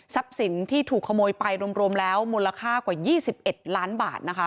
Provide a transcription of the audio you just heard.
ทรัพย์สินที่ถูกขโมยไปรวมแล้วมูลค่ากว่า๒๑ล้านบาท